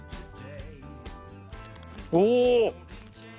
おお。